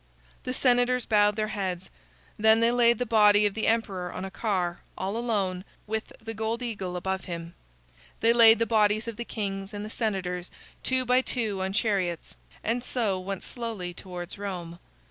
The senators bowed their heads. Then they laid the body of the emperor on a car, all alone, with the gold eagle above him. They laid the bodies of the kings and the senators two by two on chariots, and so went slowly towards Rome.